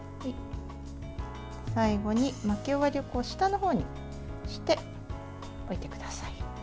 最後に巻き終わりを下の方にして巻いてください。